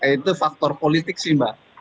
itu faktor politik sih mbak